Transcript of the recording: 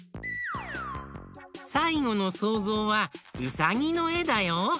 さいごのそうぞうはうさぎのえだよ。